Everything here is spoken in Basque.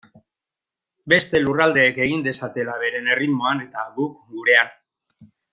Beste lurraldeek egin dezatela beren erritmoan eta guk gurean.